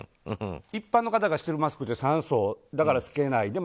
一般の方がしてるマスクって３層だから透けない。